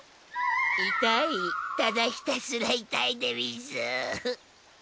痛いただひたすら痛いでうぃす。